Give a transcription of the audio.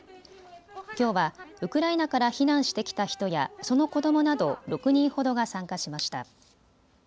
きょうはウクライナから避難してきた人やその子どもなど６人ほどが参加しました。